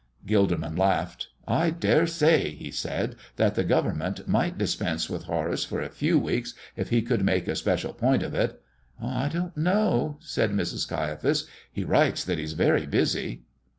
Gilderman laughed. "I dare say," he said, "that the government might dispense with Horace for a few weeks if he would make a special point of it." "I don't know," said Mrs. Caiaphas; "he writes that he's very busy."